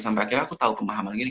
sampai akhirnya aku tahu pemahaman gini